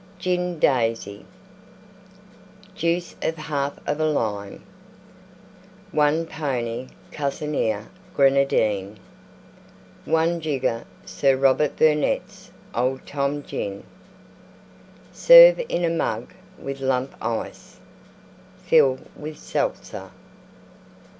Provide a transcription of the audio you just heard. GIN DAISY Juice of 1/2 of a Lime. 1 pony Cusenier Grenadine. 1 jigger Sir Robert Burnette's Old Tom Gin. Serve in a Mug with Lump Ice; fill with Seltzer.